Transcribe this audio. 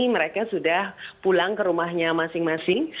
mereka sudah pulang ke rumahnya masing masing